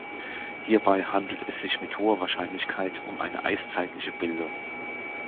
Hierbei handelt es sich mit hoher Wahrscheinlichkeit um eine eiszeitliche Bildung.